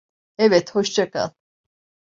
Evet, hoşça kal.